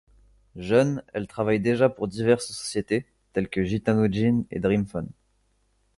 Jeune, elle travaille déjà pour diverses sociétés tels que Gitano jeans et DreamPhone.